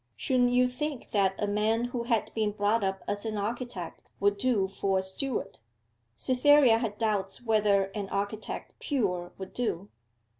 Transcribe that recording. Shouldn't you think that a man who had been brought up as an architect would do for a steward?' Cytherea had doubts whether an architect pure would do.